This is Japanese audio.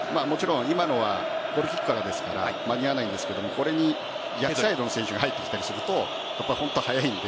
今のはゴールキックからですから間に合わないんですが逆サイドの選手が入ってきたりすると本当に速いので。